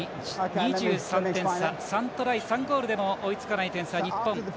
２３点差、３トライ３ゴールでも追いつかない点差、日本。